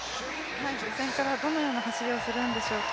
予選からどのような走りをするんでしょうか